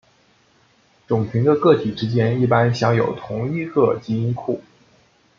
种群的个体之间一般享有同一个基因库。